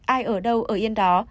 ai ở đâu ở yên đó